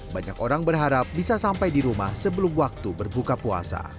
banyak orang berharap bisa sampai di rumah sebelum waktu berbuka puasa